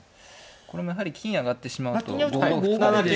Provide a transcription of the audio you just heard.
やはり金上がってしまうと５五歩突かれて。